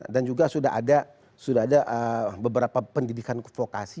dan juga sudah ada beberapa pendidikan vokasi